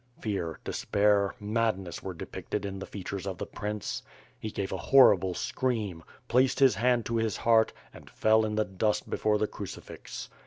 Fear, despair, madness were depicted in the features of the prince. ... He gave a horrible scream, placed his hand to his heart and fell in the dust before the crucifix.